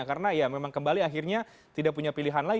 karena ya memang kembali akhirnya tidak punya pilihan lagi